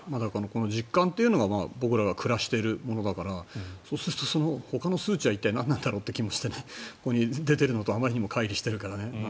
この実感というのが僕らが暮らしているものだからそうするとほかの数値は一体何なんだろうという気もしてここに出てるのとあまりにもかい離してるから。